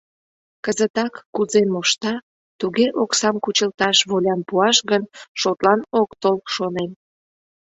Кызытак кузе мошта, туге оксам кучылташ волям пуаш гын, шотлан ок тол, шонем.